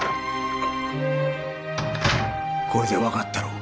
これでわかったろう？